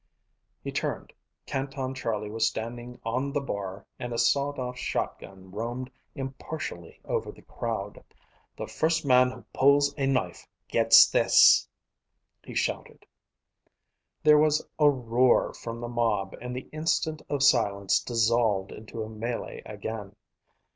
He turned. Canton Charlie was standing on the bar, and a sawed off shotgun roamed impartially over the crowd. "The first man who pulls a knife gets this!" he shouted. There was a roar from the mob, and the instant of silence dissolved into a melee again.